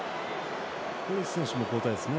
コリシ選手も交代ですね